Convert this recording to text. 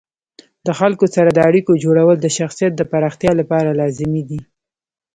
د خلکو سره د اړیکو جوړول د شخصیت د پراختیا لپاره لازمي دي.